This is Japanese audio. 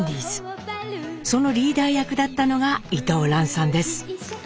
そのリーダー役だったのが伊藤蘭さんです。